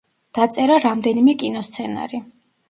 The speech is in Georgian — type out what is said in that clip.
დაწერა რამდენიმე კინოსცენარი.